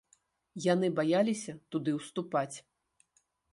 Яны баяліся туды ўступаць.